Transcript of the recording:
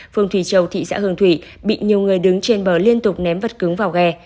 phường thủy châu thị xã hương thủy bị nhiều người đứng trên bờ liên tục ném vật cứng vào ghe